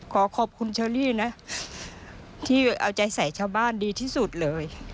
ขอขอบคุณเชอรี่นะที่เอาใจใส่ชาวบ้านดีที่สุดเลย